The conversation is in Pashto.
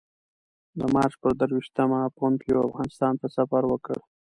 د مارچ پر درویشتمه پومپیو افغانستان ته سفر وکړ.